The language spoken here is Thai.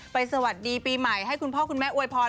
สวัสดีปีใหม่ให้คุณพ่อคุณแม่อวยพร